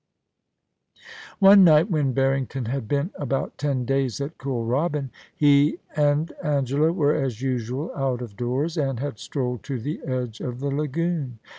One night, when Harrington had been about ten days at Kooralbyn, he and Angela were as usual out of doors, and had strolled to the edge of the lagoon.